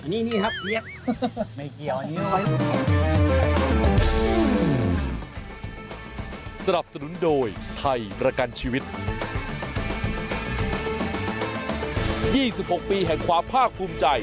นี่นี่ครับเนี่ยไม่เกี่ยวอันนี้เลย